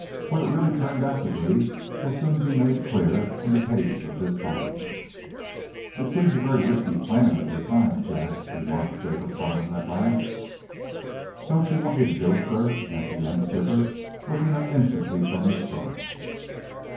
What it really turned out to be will soon be made clear in the pages of this volume. "It seems a very risky plan that you're trying, Jack," remarked Jacob Farnum, at last. "Don't you want me to do it, sir?" asked the young skipper, looking up instantly from his chart.